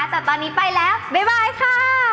แต่ตอนนี้ไปแล้วบ๊ายค่ะ